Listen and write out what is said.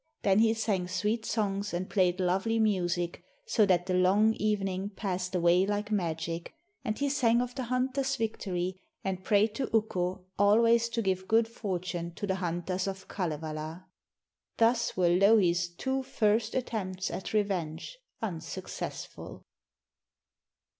Then he sang sweet songs and played lovely music, so that the long evening passed away like magic, and he sang of the hunter's victory and prayed to Ukko always to give good fortune to the hunters of Kalevala. Thus were Louhi's two first attempts at revenge unsuccessful.